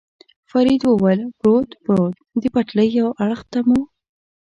فرید وویل: پروت، پروت، د پټلۍ یو اړخ ته مو.